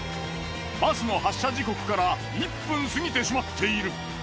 バスの発車時刻から１分過ぎてしまっている。